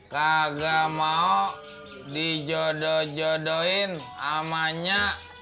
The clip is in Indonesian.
gak mau di jodoh jodohin ama nya